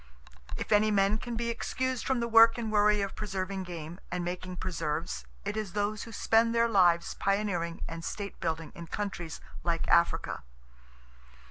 If any men can be excused from the work and worry of preserving game, and making preserves, it is those who spend their lives pioneering and state building in countries like Africa.